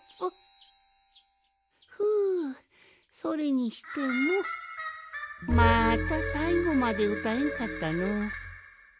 ふうそれにしてもまたさいごまでうたえんかったのう。